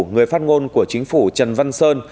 người phát ngôn của chính phủ trần văn sơn